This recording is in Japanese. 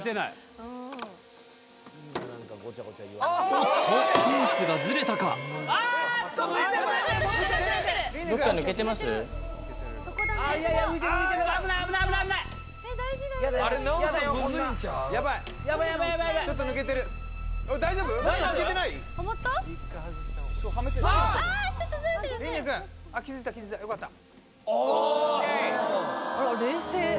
おっとケースがズレたか・ＯＫあら冷静